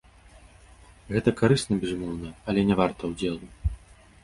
Гэта карысна, безумоўна, але не варта ўдзелу.